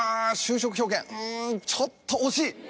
ちょっと惜しい。